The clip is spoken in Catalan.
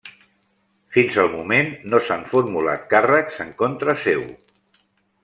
Fins al moment no s'han formulat càrrecs en contra seu.